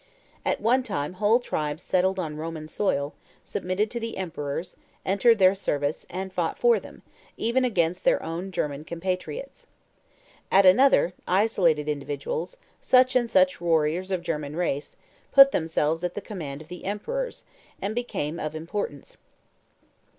At one time whole tribes settled on Roman soil, submitted to the emperors, entered their service, and fought for them, even against their own German compatriots. At another, isolated individuals, such and such warriors of German race, put themselves at the command of the emperors, and became of importance.